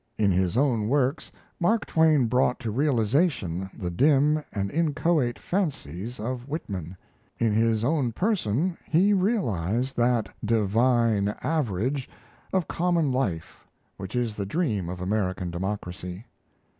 In his own works, Mark Twain brought to realization the dim and inchoate fancies of Whitman; in his own person he realized that "divine average" of common life which is the dream of American democracy.